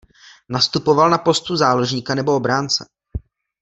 Nastupoval na postu záložníka nebo obránce.